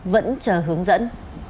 vẫn chờ hướng dẫn